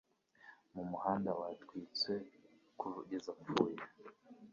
Mu muhanda watwitse kugeza apfuye